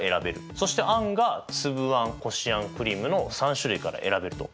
そして餡がつぶあんこしあんクリームの３種類から選べると。